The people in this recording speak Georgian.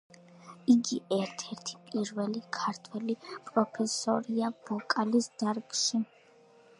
იგი ერთ-ერთი პირველი ქართველი პროფესორია ვოკალის დარგში.